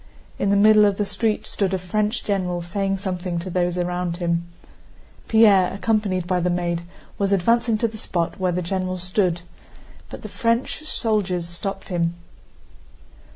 In the middle of the street stood a French general saying something to those around him. Pierre, accompanied by the maid, was advancing to the spot where the general stood, but the French soldiers stopped him.